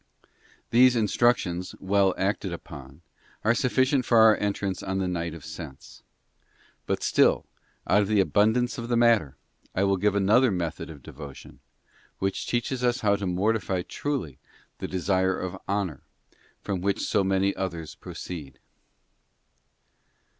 These instructions, well acted upon, are sufficient for our entrance on the night of sense. But still, out of the abundance of the matter, I will give another method of devotion, which teaches us how to mortify truly the desire of honour, from which so many others proceed.